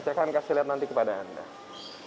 saya akan kasih lihat nanti kepada anda